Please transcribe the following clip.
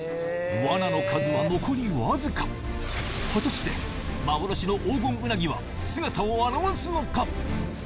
罠の数は残りわずか果たして幻の黄金うなぎは姿を現すのか？